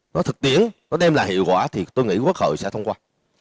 nó thực tiễn nó đem lại hiệu quả thì tôi nghĩ quốc hội sẽ thông qua